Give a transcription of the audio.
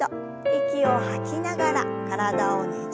息を吐きながら体をねじって。